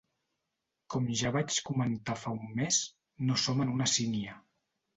Com ja vaig comentar fa un mes, no som en una sínia.